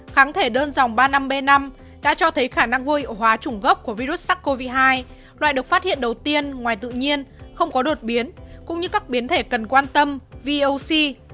kháng thể đơn dòng ba năm b năm đã cho thấy khả năng vôi hóa chủng gốc của virus sars cov hai loại được phát hiện đầu tiên ngoài tự nhiên không có đột biến cũng như các biến thể cần quan tâm voc